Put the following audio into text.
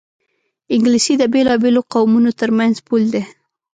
انګلیسي د بېلابېلو قومونو ترمنځ پُل دی